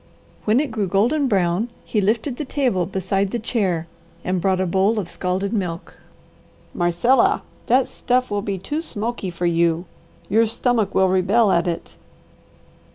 When it grew golden brown he lifted the table beside the chair, and brought a bowl of scalded milk. "Marcella, that stuff will be too smoky for you! Your stomach will rebel at it."